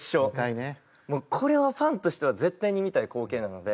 これはファンとしては絶対に見たい光景なので。